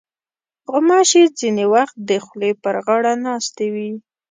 غوماشې ځینې وخت د خولې پر غاړه ناستې وي.